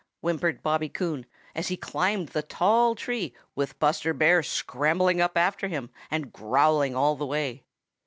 whimpered Bobby Coon, as he climbed the tall tree with Buster Bear scrambling up after him and growling all the way.